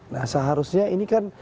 nah seharusnya ini kan